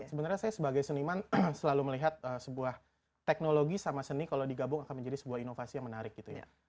sebenarnya saya sebagai seniman selalu melihat sebuah teknologi sama seni kalau digabung akan menjadi sebuah inovasi yang menarik gitu ya